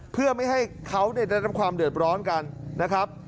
เพื่อไม่ให้เขาได้รับความเดือดร้อนกันนะครับ